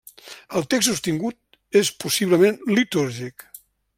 El text obtingut és possiblement litúrgic.